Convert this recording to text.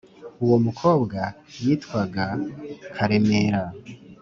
Uwo mukobwa yitwaga Karemera